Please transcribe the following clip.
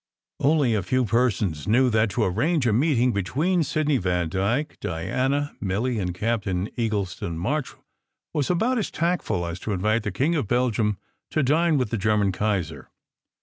Only a few persons knew that to arrange a meeting between Sidney Vandyke, Diana, Milly, and Captain Eagles ton March, was about as tactful as to invite the King of Belgium to dine with the German Kaiser.